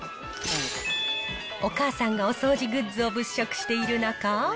お母さんがお掃除グッズを物色している中。